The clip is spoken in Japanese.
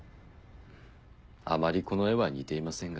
あまりこの絵は似ていませんが。